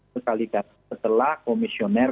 sekali kali setelah komisioner